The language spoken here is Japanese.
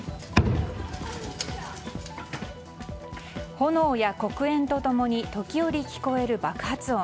炎や黒煙と共に時折聞こえる爆発音。